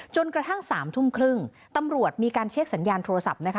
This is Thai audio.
จนกระทั่ง๓ทุ่มครึ่งตำรวจมีการเช็คสัญญาณโทรศัพท์นะคะ